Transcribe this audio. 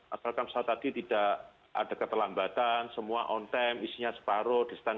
asalkan pesawat tadi tidak ada keterlambatan semua ons time dari bentuk darah antar menumpang